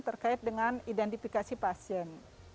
terkait dengan identifikasi pasien